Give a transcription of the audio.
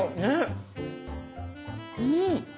うん。